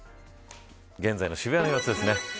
現在の渋谷の様子ですね。